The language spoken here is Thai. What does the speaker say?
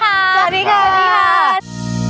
ขอบคุณครับ